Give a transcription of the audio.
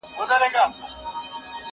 زه اوس د ښوونځي کتابونه مطالعه کوم!.